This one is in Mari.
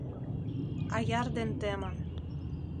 Аяр ден темын